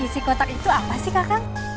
isi kotak itu apa sih kakang